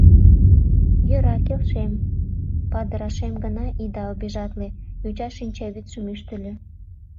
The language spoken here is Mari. — Йӧра, келшем, Падырашем гына ида обижатле, — йоча шинчавӱдшым ӱштыльӧ.